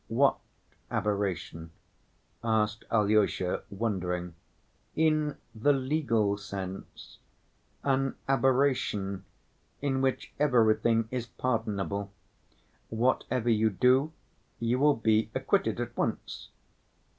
"What aberration?" asked Alyosha, wondering. "In the legal sense. An aberration in which everything is pardonable. Whatever you do, you will be acquitted at once."